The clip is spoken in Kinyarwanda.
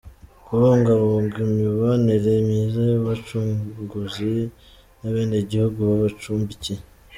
– Kubungabunga imibanire myiza y’Abacunguzi n’abenegihugu babacumbikiye;